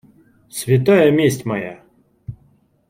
Святая месть моя!